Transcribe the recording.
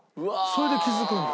それで気付くんだ？